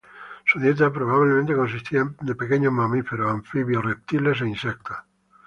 Su dieta probablemente consistía de pequeños mamíferos, anfibios, reptiles e insectos.